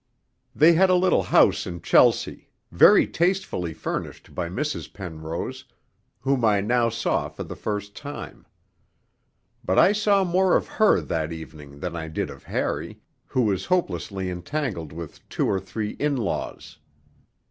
They had a little house in Chelsea, very tastefully furnished by Mrs. Penrose, whom I now saw for the first time. But I saw more of her that evening than I did of Harry, who was hopelessly entangled with two or three 'in laws.'